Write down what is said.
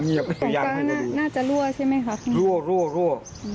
ของก้างน่าจะรั่วใช่ไหมครับคุณฮะรั่ว